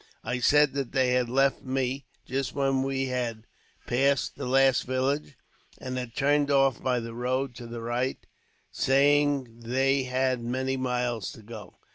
I said that they had left me, just when we had passed the last village; and had turned off by the road to the right, saying they had many miles to go.